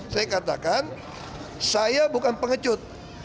saya katakan saya bukan pengecut